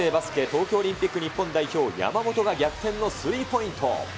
東京オリンピック日本代表、山本が逆転のスリーポイント。